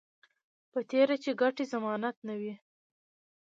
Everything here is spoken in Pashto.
په تېره چې ګټې ضمانت نه وي